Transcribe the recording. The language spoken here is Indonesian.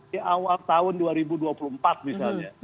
di awal tahun dua ribu dua puluh empat misalnya